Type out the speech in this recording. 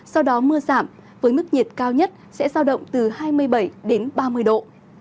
sau đó mưa giảm với mức nhiệt cao nhất sẽ giao động từ hai mươi bảy đến ba mươi độ